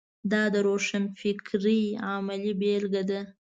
دا د روښانفکرۍ عملي بېلګه ده.